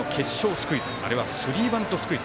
スクイズあれはスリーバントスクイズ。